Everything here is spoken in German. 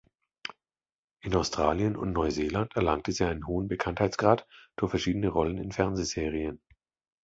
In Australien und Neuseeland erlangte sie einen hohen Bekanntheitsgrad durch verschiedene Rollen in Fernsehserien.